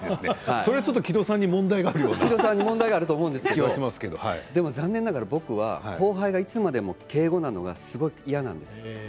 それは木戸さんに問題があるので木戸さんに問題があると思うんですが残念ながら僕は後輩がいつまでも敬語なのが嫌なんです。